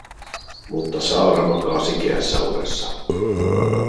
Mutta Saara makaa sikeässä unessa.